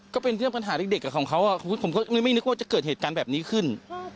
ก็เป็นเรื่องปัญหาเด็กของเขาผมก็ไม่นึกว่าจะเกิดเหตุการณ์แบบนี้ขึ้น